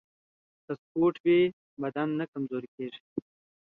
که سپورت وي نو بدن نه کمزوری کیږي.